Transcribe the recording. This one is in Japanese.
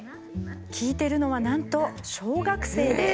聞いてるのはなんと小学生です。